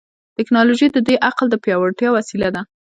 ټیکنالوژي د دې عقل د پیاوړتیا وسیله ده.